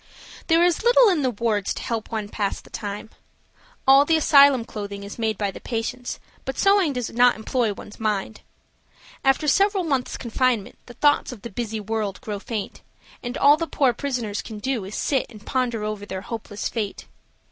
THERE is little in the wards to help one pass the time. All the asylum clothing is made by the patients, but sewing does not employ one's mind. After several months' confinement the thoughts of the busy world grow faint, and all the poor prisoners can do is to sit and ponder over their hopeless fate.